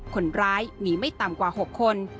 คนร้ายมีไม่ต่ำกว่า๖คน